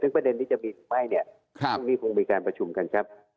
ซึ่งประเด็นที่จะมีทุกป้ายเนี่ยคงมีการประชุมกันครับ